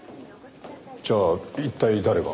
じゃあ一体誰が？